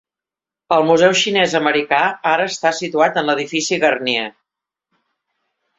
El Museu Xinès Americà ara està situat en l'edifici Garnier.